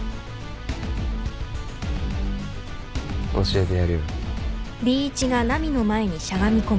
教えてやるよ。